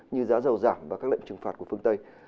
như giá dầu giảm và các lệnh trừng phạt của phương tây